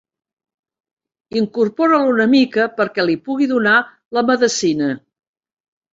Incorpora'l una mica perquè li pugui donar la medecina.